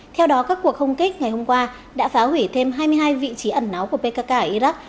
theo đó các cuộc không kích ngày hôm qua đã phá hủy thêm hai mươi hai vị trí ẩn náu của pkk ở iraq